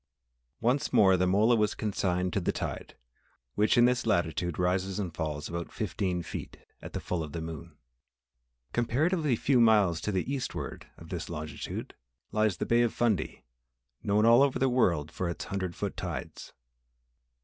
Once more the mola was consigned to the tide, which in this latitude rises and falls about fifteen feet at the full of the moon. Comparatively few miles to the eastward of this longitude lies the Bay of Fundy known all over the world for its hundred foot tides.